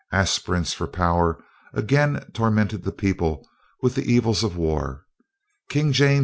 Aspirants for power again tormented the people with the evils of war. King James II.